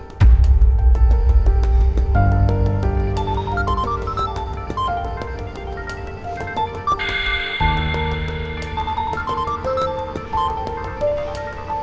sudahinta umur outside